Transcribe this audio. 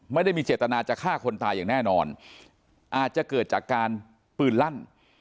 ไม่ได้มีเจตนาจะฆ่าคนตายอย่างแน่นอนอาจจะเกิดจากการปืนลั่น